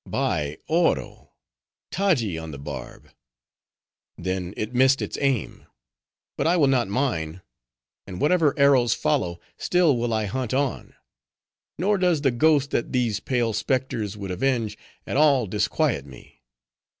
"By Oro! Taji on the barb!" "Then it missed its aim. But I will not mine. And whatever arrows follow, still will I hunt on. Nor does the ghost, that these pale specters would avenge, at all disquiet me.